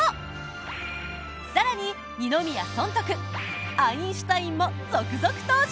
更に二宮尊徳アインシュタインも続々登場！